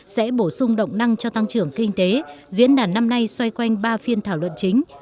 sẽ bổ sung động năng cho tăng trưởng kinh tế diễn đàn năm nay xoay quanh ba phiên thảo luận chính